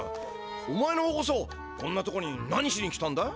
お前の方こそこんなとこに何しに来たんだ？